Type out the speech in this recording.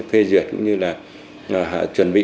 phê duyệt cũng như là chuẩn bị